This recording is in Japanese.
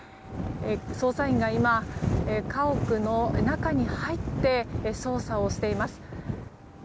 捜査員が今、家屋の中に入って捜査をしています。